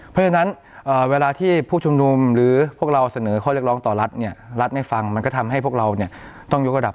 เพราะฉะนั้นเวลาที่ผู้ชุมนุมหรือพวกเราเสนอข้อเรียกร้องต่อรัฐเนี่ยรัฐไม่ฟังมันก็ทำให้พวกเราเนี่ยต้องยกระดับ